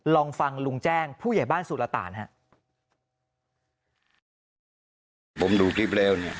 ลองฟังลุงแจ้งผู้ใหญ่บ้านสุรต่านครับ